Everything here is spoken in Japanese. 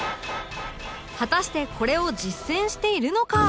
果たしてこれを実践しているのか？